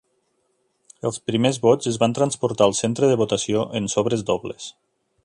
Els primers vots es van transportar al centre de votació en sobres dobles.